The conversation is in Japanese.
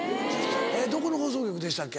どこの放送局でしたっけ？